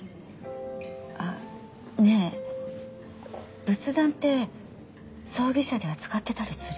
あっねえ仏壇って葬儀社で扱ってたりする？